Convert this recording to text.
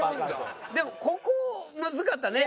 でもここムズかったね。